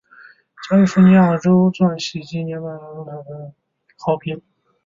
加利福尼亚州钻禧纪念半美元的设计获得广泛好评。